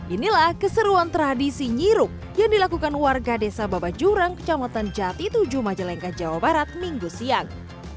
inilah keseruan tradisi nyiruk yang dilakukan warga desa baba jurang kecamatan jati tujuh majelengka jawa barat minggu siang